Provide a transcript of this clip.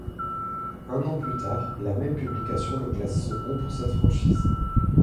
Un an plus tard, la même publication le classe second pour cette franchise.